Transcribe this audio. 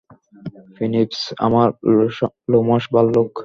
প্রিন্সিপ, আমার লোমশ ভাল্লুক!